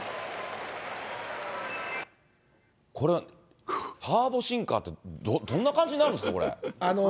これ、ターボシンカーってどんな感じになるんですか、これ。